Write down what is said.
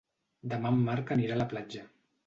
Demà en Marc anirà a la platja.